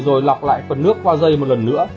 rồi lọc lại phần nước qua dây một lần nữa